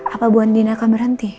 apapun dina akan berhenti